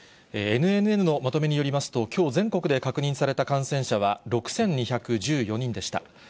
ＮＮＮのまとめによりますと、きょう、全国で確認された感染者は６２１４人でした。